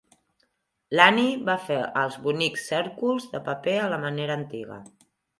L'Annie va fer els bonics cèrcols de paper a la manera antiga.